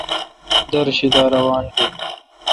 دِر شی دا روان بیل۔